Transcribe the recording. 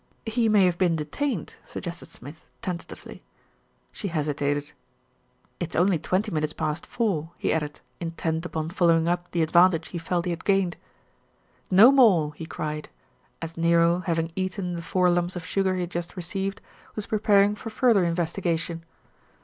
"He may have been detained," suggested Smith, ten tatively. She hesitated. "It's only twenty minutes past four," he added, in tent upon following up the advantage he felt he had gained. "No more!" he cried, as Nero, having eaten the four lumps of sugar he had just received, was pre ERIC PLAYS A PART 267 paring for further investigation.